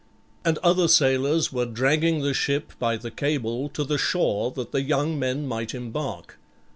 And other sailors were dragging the ship by the cable to the shore that the young men might embark.